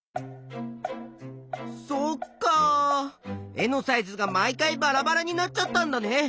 絵のサイズが毎回バラバラになっちゃったんだね。